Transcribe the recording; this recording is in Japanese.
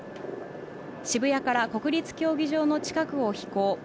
渋谷から国立競技場の近くを飛行。